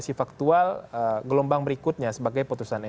dengan mengikuti verifikasi faktual gelombang berikutnya sebagai putusan mk